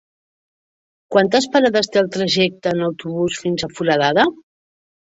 Quantes parades té el trajecte en autobús fins a Foradada?